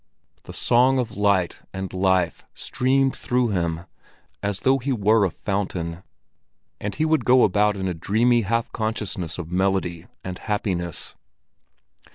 The song of light and life streamed through him, as though he were a fountain; and he would go about in a dreamy half consciousness of melody and happiness.